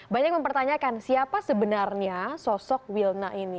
banyak yang mempertanyakan siapa sebenarnya sosok wilna ini